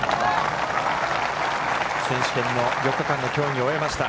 選手権の４日間の競技を終えました。